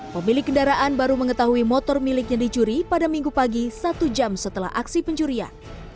pemilik kendaraan baru mengetahui motor miliknya dicuri pada minggu pagi satu jam setelah aksi pencurian